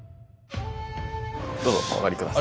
どうぞお上がり下さい。